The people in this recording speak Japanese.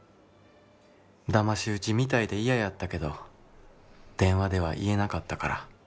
騙し討ちみたいで嫌やったけど電話では言えなかったから。